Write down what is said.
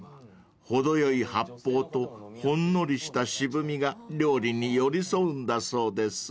［程よい発泡とほんのりした渋味が料理に寄り添うんだそうです］